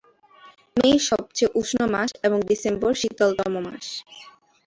মে সবচেয়ে উষ্ণ মাস এবং ডিসেম্বর শীতলতম মাস।